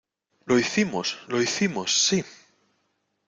¡ Lo hicimos! ¡ lo hicimos !¡ sí !